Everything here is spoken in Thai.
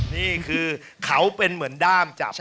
นี่คือเขาเป็นเหมือนด้ามจับ